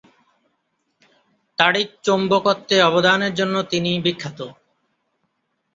তাড়িৎ-চৌম্বকত্বে অবদানের জন্য তিনি বিখ্যাত।